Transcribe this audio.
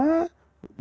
dan berantem lagi